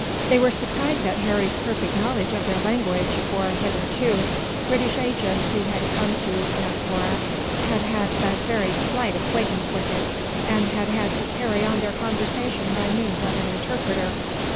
They were surprised at Harry's perfect knowledge of their language for, hitherto, British agents who had come to Nagpore had had but very slight acquaintance with it, and had had to carry on their conversation by means of an interpreter.